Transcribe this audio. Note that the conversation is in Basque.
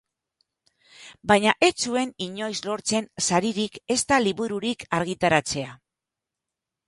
Baina ez zuen inoiz lortzen saririk ezta libururik argitaratzea.